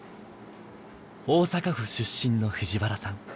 大阪府出身の藤原さん。